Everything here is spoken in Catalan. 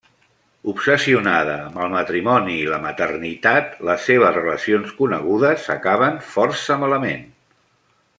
Obsessionada amb el matrimoni i la maternitat, les seves relacions conegudes acaben força malament.